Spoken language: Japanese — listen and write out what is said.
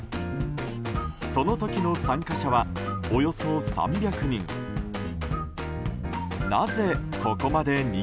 その時の参加者はおよそ３００人。